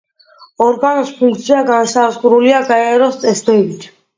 ორგანოს ფუნქცია განსაზღვრულია გაეროს წესდებით.